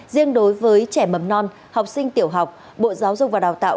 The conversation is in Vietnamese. riêng đối với trẻ mầm non học sinh tiểu học bộ giáo dục và đào tạo